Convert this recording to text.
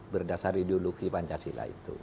berdasar duluhi pancasila itu